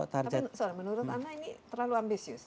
tapi sorry menurut anda ini terlalu ambisius